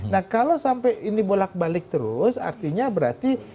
nah kalau sampai ini bolak balik terus artinya berarti